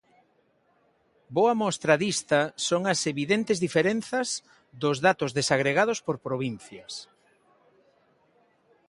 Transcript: Boa mostra dista son as evidentes diferenzas dos datos desagregados por provincias.